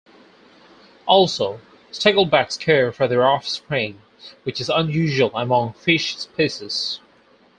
Also, sticklebacks care for their offspring, which is unusual among fish species.